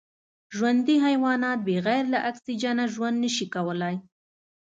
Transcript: ژوندي حیوانات بغیر له اکسېجنه ژوند نشي کولای